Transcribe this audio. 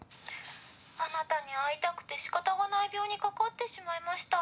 「あなたに会いたくて仕方がない病にかかってしまいました」